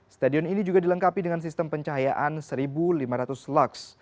stadion ini juga dilengkapi dengan sistem pencahayaan satu lima ratus lux